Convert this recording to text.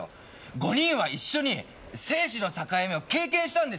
５人は一緒に生死の境目を経験したんですよ。